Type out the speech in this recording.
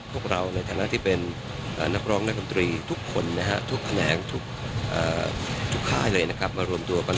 พวกเราในฐานะที่เป็นนักร้องนักดนตรีทุกคนนะฮะทุกแขนงทุกค่ายเลยนะครับมารวมตัวกัน